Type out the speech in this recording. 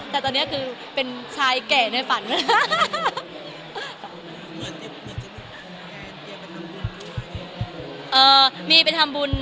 แต่ตอนนี้คือเป็นชายแก่ในฝันเลย